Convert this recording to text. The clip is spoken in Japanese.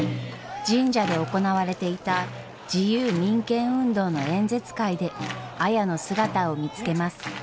神社で行われていた自由民権運動の演説会で綾の姿を見つけます。